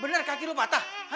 benar kaki lo patah